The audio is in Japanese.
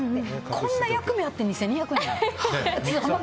こんな役目あって２２００円？